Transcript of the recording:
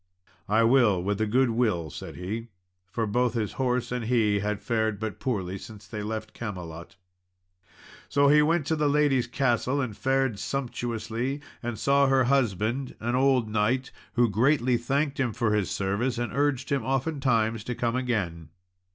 "I will, with a good will," said he, for both his horse and he had fared but poorly since they left Camelot. So he went to the lady's castle and fared sumptuously, and saw her husband, an old knight, who greatly thanked him for his service, and urged him oftentimes to come again.